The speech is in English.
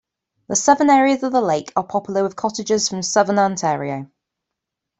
The southern areas of the lake are popular with cottagers from southern Ontario.